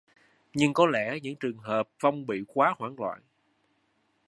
Nhưng có lẽ những trường hợp vong bị quá hoảng loạn